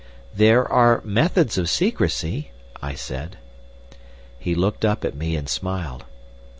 "There are methods of secrecy," I said. He looked up at me and smiled.